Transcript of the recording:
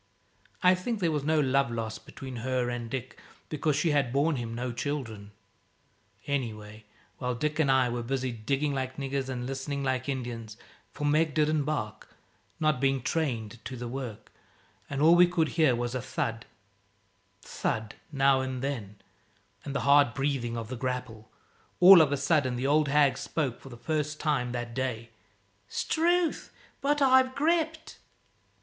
I think there was no love lost between her and Dick, because she had borne him no children. Anyway, while Dick and I were busy, digging like niggers and listening like Indians for Meg didn't bark, not being trained to the work, and all we could hear was a thud, thud now and then, and the hard breathing of the grapple all of a sudden the old hag spoke, for the first time that day "S'trewth, but I've gripped!"